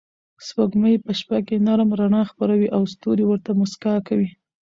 سپوږمۍ په شپه کې نرم رڼا خپروي او ستوري ورته موسکا کوي.